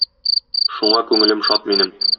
Шуңа күңелем шат минем.